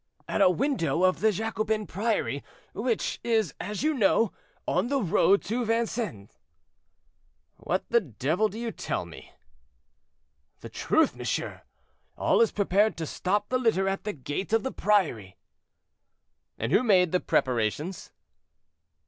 "At a window of the Jacobin Priory, which is, as you know, on the road to Vincennes." "What the devil do you tell me?" "The truth, monsieur: all is prepared to stop the litter at the gate of the priory." "And who made the preparations?"